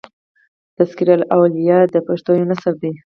" تذکرة الاولیاء" د پښتو یو نثر دﺉ.